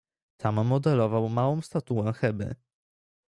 "Tam modelował małą statuę Heby."